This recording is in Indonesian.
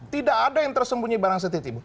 tidak ada yang tersembunyi barang setipu